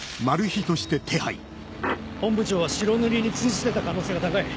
本部長は白塗りに通じてた可能性が高い。